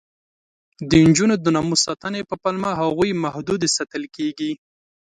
د نجونو د ناموس ساتنې په پلمه هغوی محدودې ساتل کېږي.